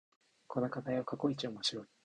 この課題は過去一面白い